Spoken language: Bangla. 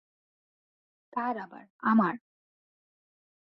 কার আবার, আমার।